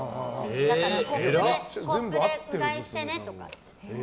だからコップでうがいしてねとか。